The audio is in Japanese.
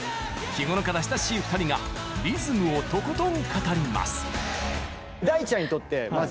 日頃から親しい２人がリズムをとことん語ります。